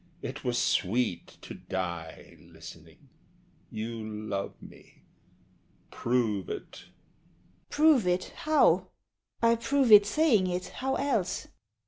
It were sweet to die Listening! You love me prove it. SHE. Prove it how? I prove it saying it. How else? HE.